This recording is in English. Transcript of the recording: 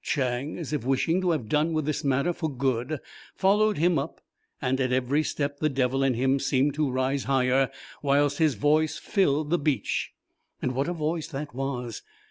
Chang, as if wishing to have done with this matter for good, followed him up and at every step the devil in him seemed to rise higher whilst his voice filled the beach. What a voice that was!